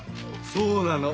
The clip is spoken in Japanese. そうなの。